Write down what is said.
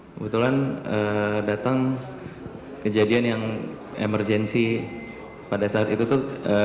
kebetulan datang kejadian yang emergensi pada saat itu tuh